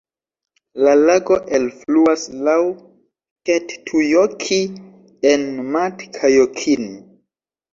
La lago elfluas laŭ Kettujoki en Matkajokin.